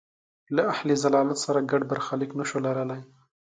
له اهل ضلالت سره ګډ برخلیک نه شو لرلای.